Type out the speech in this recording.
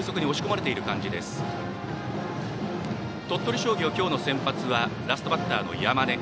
鳥取商業、今日の先発はラストバッターの山根。